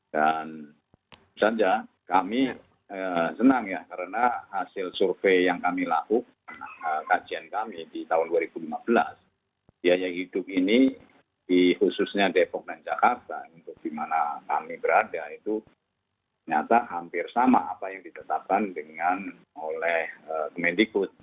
dan saya senang ya karena hasil survei yang kami lakukan kajian kami di tahun dua ribu lima belas biaya hidup ini di khususnya depok dan jakarta di mana kami berada itu nyata hampir sama apa yang ditetapkan oleh kementerian keputusan